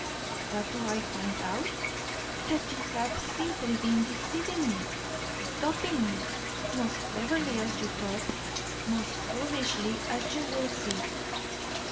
What do I find out? That you have simply been deceiving me, duping me most cleverly as you thought, most foolishly as you will see.